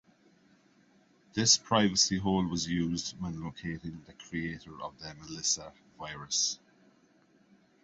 This privacy hole was used when locating the creator of the Melissa virus.